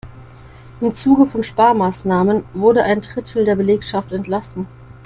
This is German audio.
Im Zuge von Sparmaßnahmen wurde ein Drittel der Belegschaft entlassen.